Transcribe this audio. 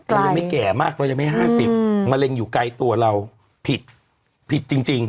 มันยังไม่แก่มากมันยังไม่ห้าสิบมะเร็งอยู่ไกลตัวเราผิดผิดจริงจริง